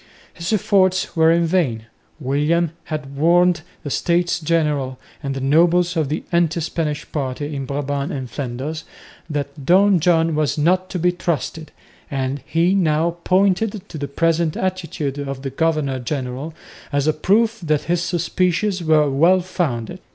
His efforts were in vain. William had warned the States General and the nobles of the anti Spanish party in Brabant and Flanders that Don John was not to be trusted, and he now pointed to the present attitude of the governor general, as a proof that his suspicions were well founded.